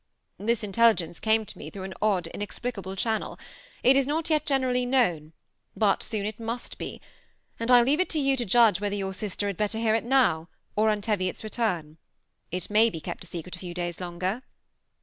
^ This intelligence came to me through an odd, inexplicable channel ; it is not yet generally known, but it soon must be, and I leave it to you to judge whether your sister had better hear it now, or on Teviot's return. It may be kept secret a few days longer."